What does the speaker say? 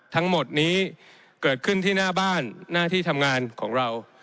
ทั้งหมดนี้เกิดขึ้นที่หน้าบ้านหน้าที่ทำงานของเรา